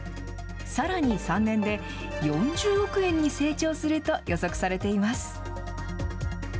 さらに３年で、４０億円に成長すると予測されています。